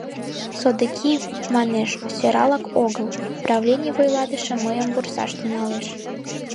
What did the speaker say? — Содыки, манеш, сӧралак огыл, правлений вуйлатыше мыйым вурсаш тӱҥалеш.